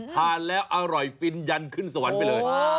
ทานแล้วอร่อยฟินยันขึ้นสวรรค์ไปเลย